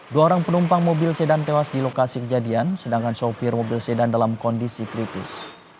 dua orang penumpang mobil sedan tewas di lokasi kejadian sedangkan sopir mobil sedan dalam kondisi kritis